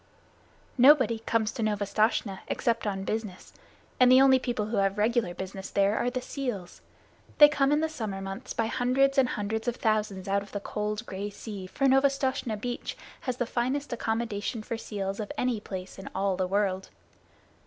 Nobody comes to Novastoshnah except on business, and the only people who have regular business there are the seals. They come in the summer months by hundreds and hundreds of thousands out of the cold gray sea. For Novastoshnah Beach has the finest accommodation for seals of any place in all the world.